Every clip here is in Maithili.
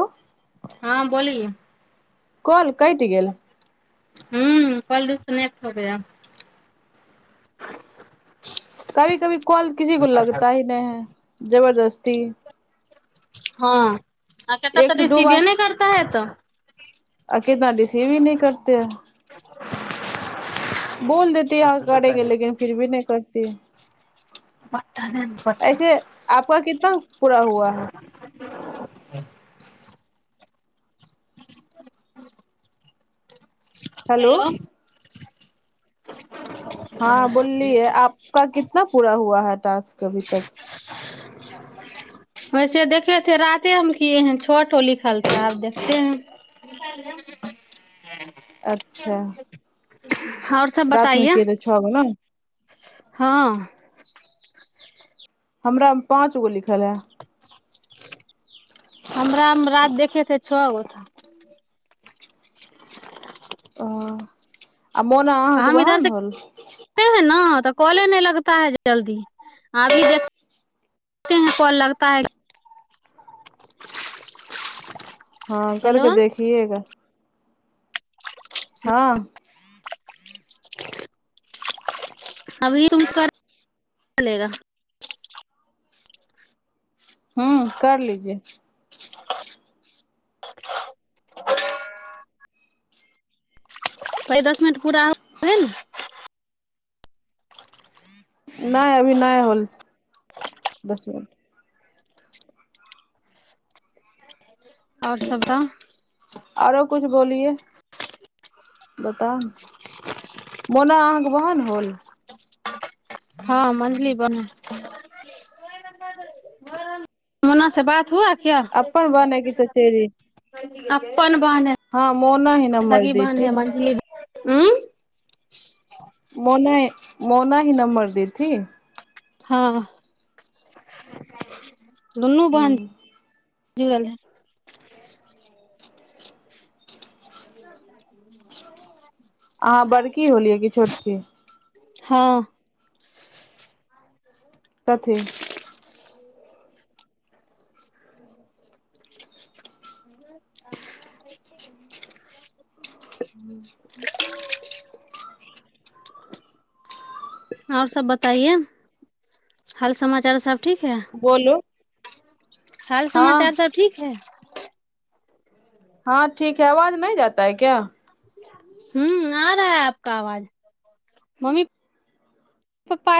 ह हँ बोलए कोल कैटि गेल हुँ कॉल रिसीव करबै आब कभी कभी कल किसी को लगता ही नहि है जबरदस्त ती हँ अ एत तऽ एक रिसीव य नहि करता है तऽ अच्छा केना रिसीवी नहि करत हैं बोल देती यहाँ करेंगे लेकिन फि भी नहि कर त पट्टा दे पट्टा। ऐसे आपक कितना पूरा हुआ है ह हेलो हँ बोललियै आपका कितना पूरा हुआ ह दस अभी तक वैसे देखे छै राते हम कि है छोट हो लिखल छै आब देखते हैं अच्छा [unintelligible] रतिमे छ तऽ छ बला हँ हमरा पाँच गो लिख खरा हमरा रति देखेथे छओ गो था [unintelligible] ओ आ मोना अहाँके हम इधर वहान से होल ते हैं ना तऽ कॉले नहि लगता है जल्दी अभी देखे हैं कॉल लगता है हँ हेलो करके देखिएगा हँ [unintelligible] अभी उक चलेगा हू कर लीजे ह दस मिनट पूरा ने नहि अभी नहि होल दस मिनट [unintelligible] आओर सभ त आरो कुछ बोलिए बता मनो अहां कन हॉल हँ मंदी पर मोना से बात हुआ क्या अपन बहन हैय की चचेरी अपन बहन है हँ मोना ही नमर दी थी हुँ म मोना मोना ही नम्बर दीथी हँ दुनू बहन हूँ जूलै [inaudible] अहाँ बड़की होलियै कि छोटकी हँ कथी ह [unintelligible] आओर सब बताइए हाल समाचार सब ठीक है बोलू हाल समाचार सब ठीक है हँ ठीक है आवाज नहि जाता है क्या हुँ आ रहा है आपक आवाज मम्मी प्पा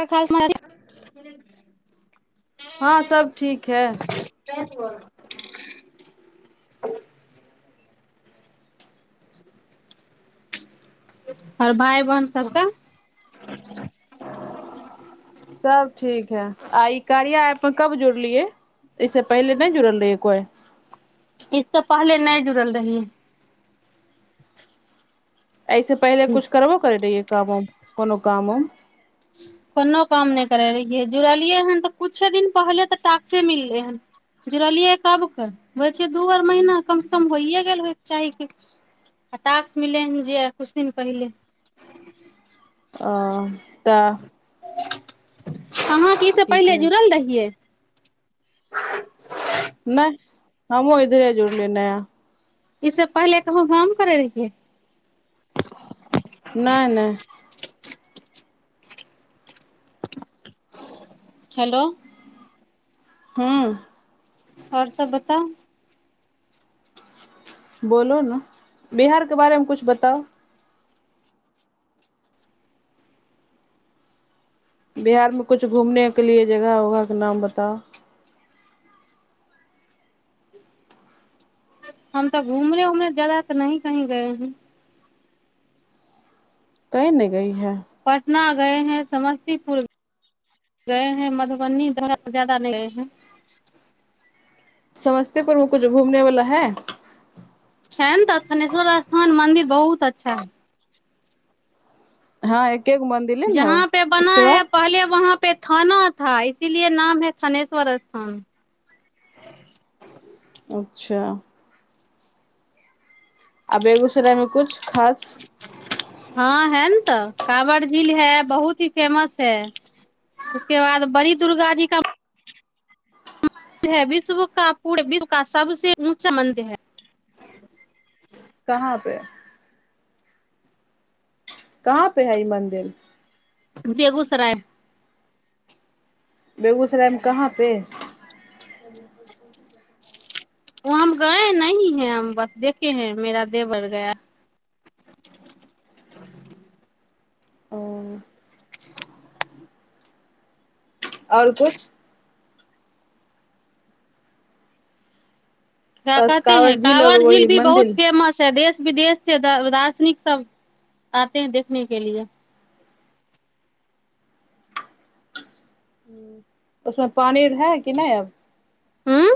हँ सब ठीक है क [inaudible] आओर भाय बहिन सबके सब ठीक है आ ई कारिया मे कब जुड़लियै इे पहिले नहि जुड़ल रहहियै कोइ इस तऽ पहले नहि जुड़ल रहहि ऐसे पहिले कुछ करबो कर रहहिै काम कोनो कामउम कोनो काम नहि करैत रहियै जुड़लियै हन तऽ किछुे दिन पहिले तऽ टक्से मिललै हन जुड़लियै कबके होइ छै दू आर महीना कमसँ कम होइए गेल होयके चाही कि आ टास्स मिललै हन जे किछु दिन पहिले आ तऽ अहाँ की से पहिले जुड़ल रहियै नहि हमहु इधरे जुड़ लेनेय ईस पहिले कहू गाम करै रहिियै नहि नहि हेलो हँ आओर सब बताउ बोलू ने बिहारके बारेमे किछु बताउ बिहारमे किछु घूमनेके लिए जगह उगहके नाम बताउ हम तऽ घूमने उमने जााददा तऽ नहि कही गए हैं कहिं ने गई है पटना गए हैं समस्तीपुर गए हैं मधुबनी जादा नहि गए हैं समस्तीपुर मे कुछ घूमने वाला है छै ने तऽ थनेश्वर स्थान मन्दिर बहुत अच्छा हइ हँ एक जहाँ पे बना है पहले वहाँ पे थाना थ इसीलिए नाम है थानेश्वर स्थान अच्छा आ बेगूसराय में कुछ खास काँवर झील है बहुत ही फेमस है उसके बाद बड़ी दुर्गा जी का विश्व क पूरा विश्व क सबस ऊँचा मन्दिर है कहाँ पे कहाँ पे है ई मन्दिर बेगूसरायमे बेगूसरायमे कहाँ पे ओ हम गए नही हैं हम बस देखे हैं मेरा देवर गया ओ [unintelligible] आओर किछु क्या बस कहे है कांवर और काँवर झील वही भी बहुत मंदिर फेमस है देश विदेश से दार्शनिक सब आते है देखने के लिए ओमे पानि हँ क नहि आब हुँ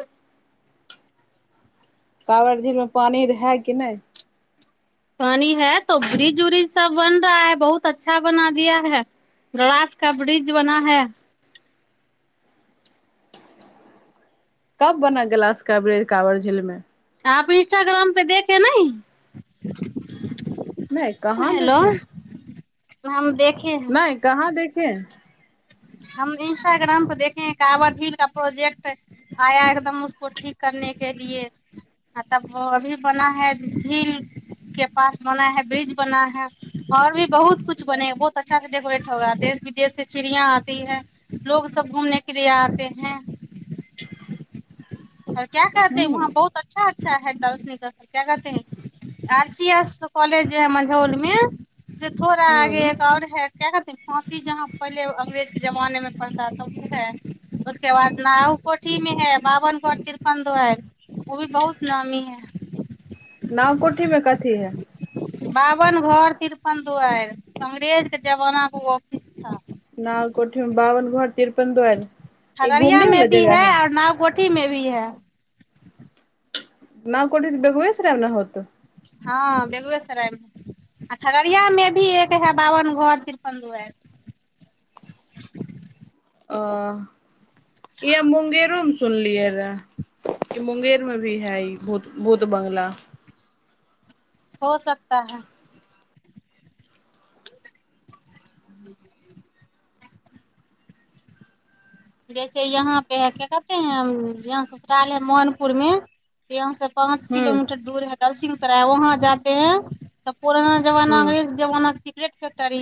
कवड़ झील मे पानि है कि नहि पानी है तो ब्रिज उ्रिज सब बन रहा है बहुत अच्छा बना दिया है गलास का ब्रिज बना है कब बना गिलास कबरेज कवर झील मे आप इंस्टाग्राम पे देखे नहिं नहि कहाँ देखे हम देख नहि कहाँ देख के हम इंस्टाग्राम पे देखे है कांवर झील का प्रोजेकट आया एकदम उसको ठीक करने के लिए तब अभी बना है झील के पास बना है ब्रिज बना है और भी बहुत कु बने बहुत अच्छा से डेकोेट होगा देश विदेश से चिड़िया ठीक है लोग सब घूमने के लिए आते हैं आ क्य क कहते हूँ वहाँ बहुत अच्छा अच्छा है ज आर सी एस कलेज जे मझ होलमेी जे थोड़ा आगे हूँ एक और है क्या कहते फाँसी जहाँ पहिले अंग्रेज के जमाने में पड़ता त ओ है उसके बाद नाव कोठी में है बाबन तिरपण दुआर ओ भी बहुत नामी है नाव कोठी में कथी है बभन घर तिरपन दुआरि अंग्रेज के जमानाे ओ ऑफिस ा न कोठेमे बाबावन घोर तिरपन दुआर खगड़िया में भी है और नव कोोठी में भी है न कोठे बेगुबेसराब न होत हँ बेगुएसरायमे आ खगड़ियामे भी एक हए बाबन घर तिरपन दुहार आ इह मुंगेरो मे सुनलियै रहे ई मुंगेर मे भी है ई भूत भूत बङंगला हो सकता है जैसे यहाँ पे है क्या कहते है यहाँ ससुराले है मोहनपुर में यहाँ से पाँच हूँ किलोमीटर दूर है दलसिंहसराय वहाँ जाते हैं त पुरानना जमाना हूँ अंग्रेज जमानाक ट तर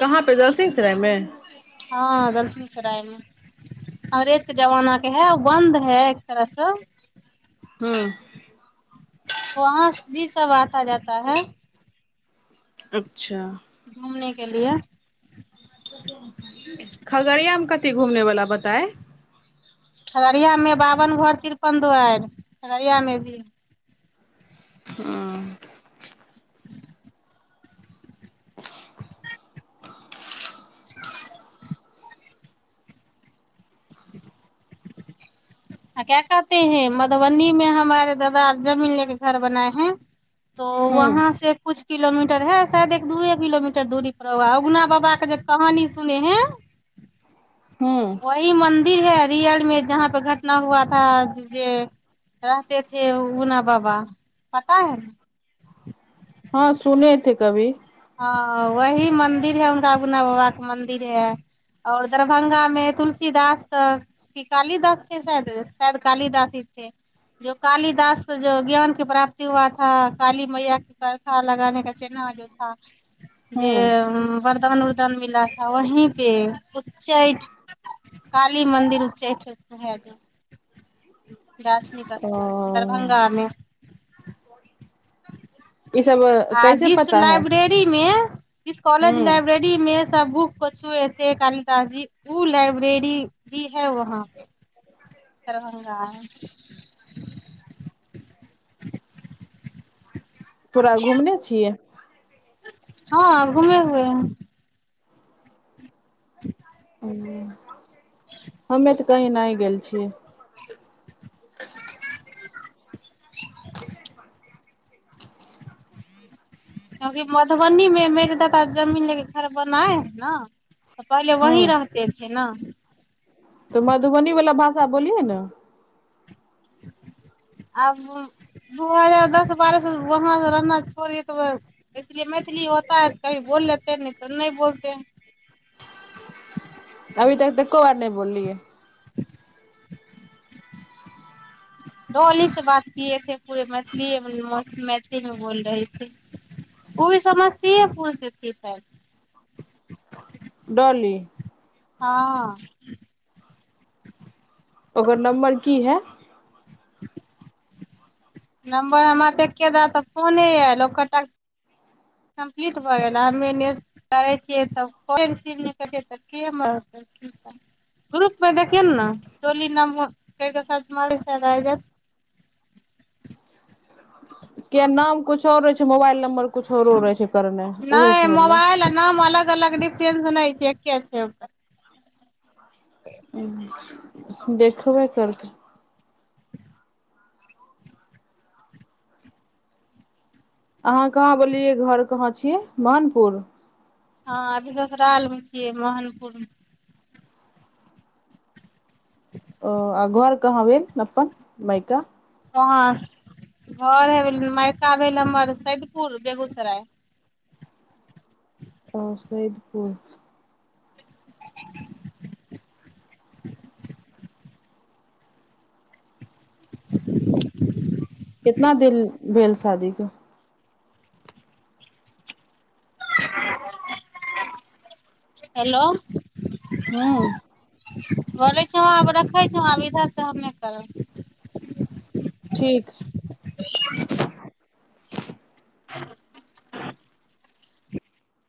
कहाँ पे दलसिंहसरायमे हँ दलसिंसरायमे अंग्रेजके जमानाे है बन्द है एक तरहसँ हँ वहाँ भी सब आता जाता है अच्छा घूमने के लिए खगड़ियामे कथि घुमने वलाा बताए खगरियामे बाबन भोर तिरपन दुआर खगरियामे भी हुँ ह [unintelligible] क्या कहते हैं मधुबनी में हमारे दादा जमीन ले के घर बनाए हैं तो हँ वहाँ से कुछ किलोमीटर है शायद एक दूए किलोमीटर दूरी पर होा उगना बाबा के जे कहानी सुने हैं वह म मन्दिर है रियल मे जहाँ पे घटना हुआ थ जे रहतेथे उना बाबा पता है ने हँ सुनेथे कभी ह वही मंदिर है उनका उगना बाबा के मंदिर है और दरभंगा में तुलसीदास क कालीदासे शायद शायद कालीदास है जो कालीदास जो ज्ञान के प्राप्ति हुआ था काली मैया के करखा लगाने क चिन्हा जो जे हूँ वरदान उर्दान मिला थ वहीं पे उच्चैठ काली मन्दिर उच्चैठ भै जा दार्शनिक स्थल ओ दरभंगा मे ई सब आ कैसे जिस पता है लाइब्रेरी मे जिस कॉलेज हूँ लाइब्रेरी मे सब बुक पछुएथे कालिदास जी ओ लाइब्रेरी भी है वहाँ पे दरभंगा पूरा घुमने छियै हँ घुमे हुए हैं ह हँमे तऽ कहि नहि गेल छियै [unintelligible] क्यंकि मधुबनीमे मेघदादा जमीन लेके खरबनाइ हइ ने तऽ पहिले वही हूँ रहतेथे ने तऽ मधुबनीवला भाषा बोलियै ने आब दू हजार दस बारह से वहा से रहना छोड़िय तऽ इसलि मैथिली होता है कभी बोल लेतेै न तऽ नहि बोलतेै बोलियए त उन्ही से बात किए पूेरे मैथिली मैथिलीमे बोल रहेे उ भी समस्तीपुर थे शायद डॉली हँ ओकर नम्बर की है नम्बर हमरातेकके द तऽ फोने यए लोक क टा कम्प्लीट भऽ गेल आ मैनेज करै छियै तब कोई रिसीव नै लै छै तऽ के म की कर ग्रुपमे देखियौ ने ने डॉली नाम करि कऽ सर्च मारै छै आ जायत के नाम कछु आओर रहे छै मोबाइल नंबर कछु आरोर रहे छै करने उहे नहि से बोललो मोबाइल आ नाम अलग अलग डिटेंशन नै छै एके छै ओकर ह देखबे करत अहाँ कहाँ बोललियै घर कहाँ छियै महानपुर हँ अभी ससुराल मे छियै मोहनपुर अ आ घोर कहाँ भेल अपनन मायका कहाँ घर ह मायका भेल हमर सैदपुर बेगूसराय हुँ [unintelligible] कितना दिन भेले शादी क हेलो हुँ बोलै छ आ रखै छ इधर से हम नहि करब ठीक [unintelligible]